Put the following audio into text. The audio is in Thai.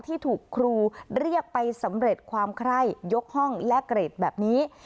ที่ถูกครูเรียกไปสำเร็จความไคร่ยกห้องและเกรดแบบนี้